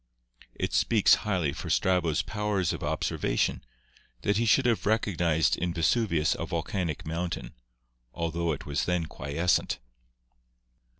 It speaks highly for Strabo's powers of observa tion that he should have recognised in Vesuvius a vol canic mountain, altho it was then quiescent.